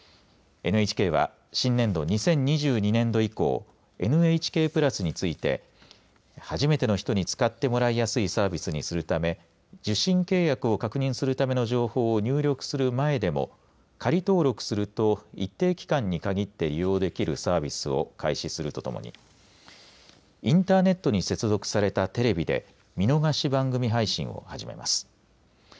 ＮＨＫは新年度２０２２年度以降ＮＨＫプラスについて初めての人に使ってもらいやすいサービスにするため受信契約を確認するための情報を入力する前でも、仮登録すると一定期間に限って利用できるサービスを開始するとともにインターネットに接続されたテレビで見逃し番組配信を始めます。